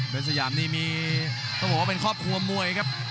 เป็นสยามนี่มีต้องบอกว่าเป็นครอบครัวมวยครับ